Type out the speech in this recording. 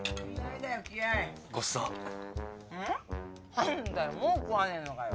何だよもう食わねえのかよ。